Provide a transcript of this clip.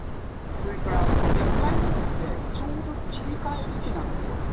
それから野菜もちょうど切り替え時期なんです。